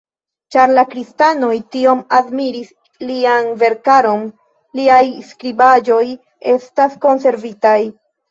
Ĉar la kristanoj tiom admiris lian verkaron, liaj skribaĵoj estas konservitaj.